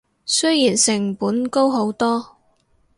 雖然成本高好多